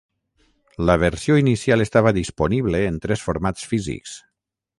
La versió inicial estava disponible en tres formats físics.